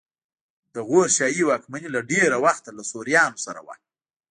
د غور شاهي واکمني له ډېره وخته له سوریانو سره وه